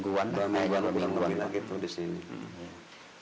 dan waktu disini ada perbicaraan apa yang bapak inget